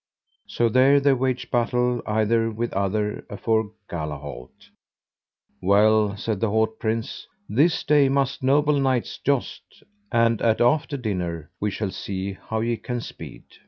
So there they waged battle either with other afore Galahalt. Well, said the haut prince, this day must noble knights joust, and at after dinner we shall see how ye can speed.